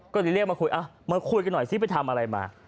ก็เลยเรียกมาคุยมาคุยกันหน่อยซิไปทำอะไรมา